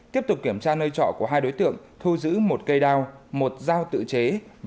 tiếp tục kiểm tra nơi trọ của hai đối tượng thu giữ một cây đao một dao tự chế